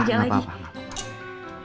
kamu kerja lagi